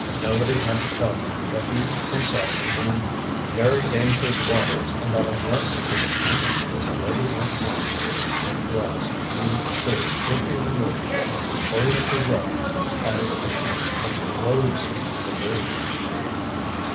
Nobody had to tell him that he himself was in very dangerous waters and that unless he could handle this lady like monster with kid gloves, he, too, would be removed from the Oriental rug as a piece of loathsome débris.